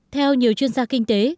theo nhiều chuyên gia kinh tế